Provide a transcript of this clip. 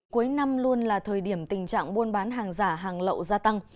cuối năm luôn là thời điểm tình trạng buôn bán hàng giả hàng lậu gia tăng